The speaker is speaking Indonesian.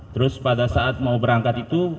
terus pada saat mau berangkat itu